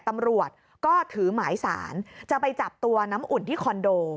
ตำรวจก็ถือหมายสารจะไปจับตัวน้ำอุ่นที่คอนโด